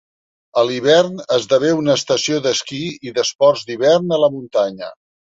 A l'hivern esdevé una estació d'esquí i d'esports d'hivern a la muntanya.